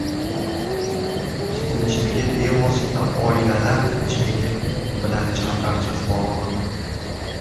Yurt tinchligi bevosita oilalar tinchligi bilan chambarchas bog‘liq.